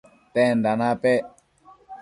tenda napec?